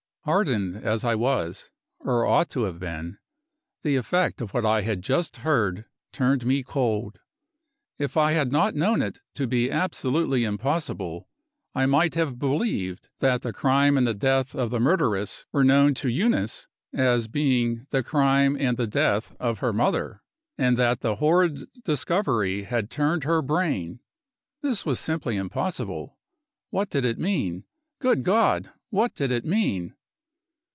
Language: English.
Hardened as I was or ought to have been the effect of what I had just heard turned me cold. If I had not known it to be absolutely impossible, I might have believed that the crime and the death of the murderess were known to Eunice, as being the crime and the death of her mother, and that the horrid discovery had turned her brain. This was simply impossible. What did it mean? Good God! what did it mean?